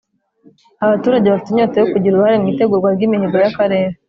abaturage bafite inyota yo kugira uruhare mu itegurwa ry’imihigo y’akarere